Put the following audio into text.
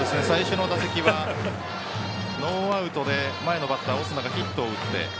最初の打席はノーアウトで前のバッター、オスナがヒットを打って。